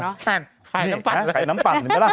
ไข่น้ำปั่น